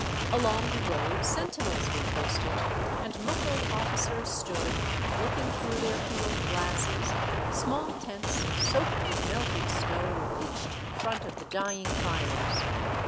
Along the road sentinels were posted, and muffled ofhcers stood, looking through their field glasses ; small tents soaked with melted snow were pitched in front of the dying fires.